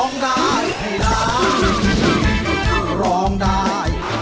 คือร้องได้ให้ร้อง